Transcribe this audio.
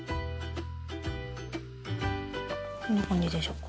こんな感じでしょうか。